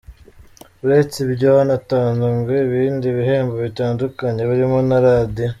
Uretse ibyo, hanatazwe ibindi bihembo bitandukanye birimo na radiyo.